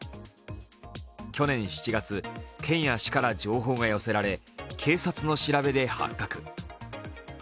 去年７月、県や市から情報が寄せられ警察の調べで発覚。